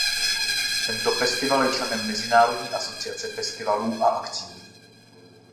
Tento festival je členem mezinárodní asociace festivalů a akcí.